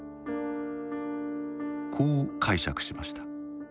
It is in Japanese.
こう解釈しました。